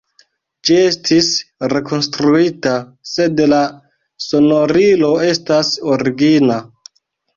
Ĝi estis rekonstruita, sed la sonorilo estas origina.